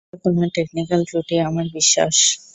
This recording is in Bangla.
এটা কোনও টেকনিক্যাল ত্রুটি, আমার বিশ্বাস!